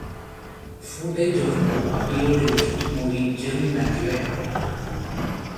Footage of Moore appeared in the hit movie "Jerry Maguire".